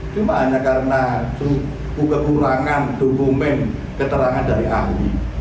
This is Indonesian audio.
cuma hanya karena kekurangan dokumen keterangan dari ahli